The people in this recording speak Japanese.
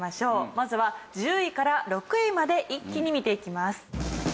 まずは１０位から６位まで一気に見ていきます。